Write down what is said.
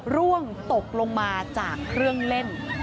ร่วงตกลงมาจากเครื่องเล่น